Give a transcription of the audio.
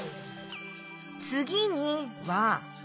「つぎに」は。